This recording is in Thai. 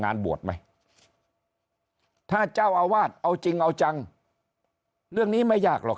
บวชไหมถ้าเจ้าอาวาสเอาจริงเอาจังเรื่องนี้ไม่ยากหรอก